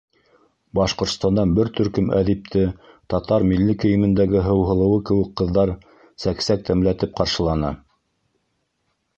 Башҡортостандан бер төркөм әҙипте татар милли кейемендәге һыуһылыуы кеүек ҡыҙҙар сәк-сәк тәмләтеп ҡаршыланы.